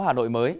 hà nội mới